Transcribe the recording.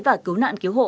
và cứu nạn cứu hộ